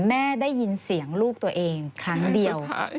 แม่ได้ยินเสียงลูกตัวเองครั้งเดียว